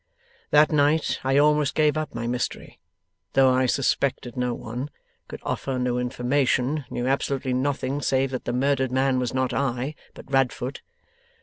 'That night I almost gave up my mystery, though I suspected no one, could offer no information, knew absolutely nothing save that the murdered man was not I, but Radfoot.